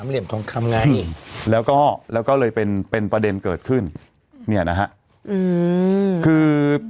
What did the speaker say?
เหลี่ยมทองคำไงแล้วก็แล้วก็เลยเป็นเป็นประเด็นเกิดขึ้นเนี่ยนะฮะอืมคือ